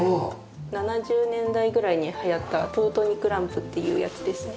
７０年代ぐらいに流行ったスプートニクランプっていうやつですね。